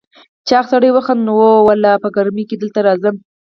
چاغ سړي وخندل: هو والله، په ګرمۍ کې دلته راځم.